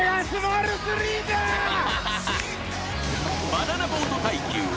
［バナナボート耐久水上